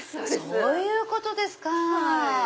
そういうことですか。